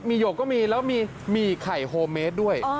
มีหยกก็มีแล้วมีหมี่ไข่โฮเมสด้วย